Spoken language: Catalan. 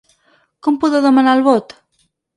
Com podeu demanar el vot?